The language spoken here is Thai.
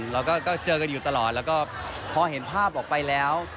แล้วก็เจอกันอยู่ตลอดแล้วก็พอเห็นภาพออกไปแล้ว